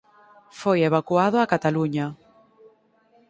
Foi evacuado a Cataluña.